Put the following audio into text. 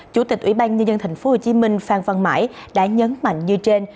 chủ tịch ủy ban nhân dân tp hcm phan văn mãi đã nhấn mạnh như trên